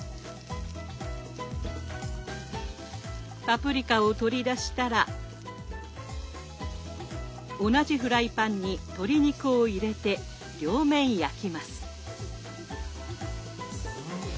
パプリカを取り出したら同じフライパンに鶏肉を入れて両面焼きます。